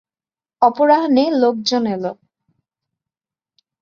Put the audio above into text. অপরাহ্বে লোকজন এল।